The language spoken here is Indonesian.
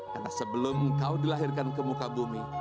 karena sebelum engkau dilahirkan ke muka bumi